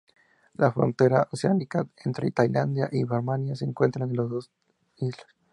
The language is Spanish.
La frontera oceánica entre Tailandia y Birmania se encuentra entre las dos islas.